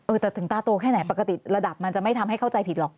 แต่ถึงตาโตแค่ไหนปกติระดับมันจะไม่ทำให้เข้าใจผิดหรอก